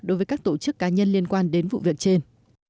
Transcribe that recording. đối với các tổ chức cá nhân liên quan đến vụ việc trên